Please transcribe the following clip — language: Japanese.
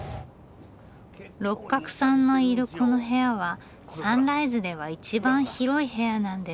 六角さんのいるこの部屋はサンライズでは一番広い部屋なんです。